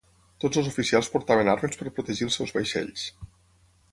Tots els oficials portaven armes per protegir els seus vaixells.